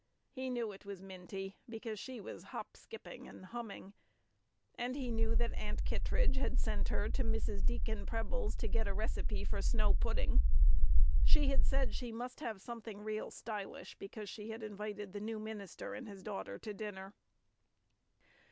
He knew it was Minty, because she was hop skipping and humming, and he knew that Aunt Kittredge had sent her to Mrs. Deacon Preble's to get a recipe for snow pudding; she had said she "must have something real stylish, because she had invited the new minister and his daughter to dinner."